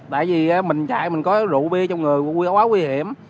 tại vì mình chạy mình có rượu bia trong người quá nguy hiểm